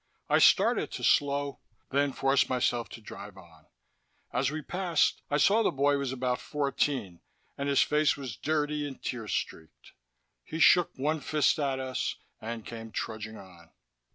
I started to slow, then forced myself to drive on. As we passed, I saw that the boy was about fourteen, and his face was dirty and tear streaked. He shook one fist at us, and came trudging on.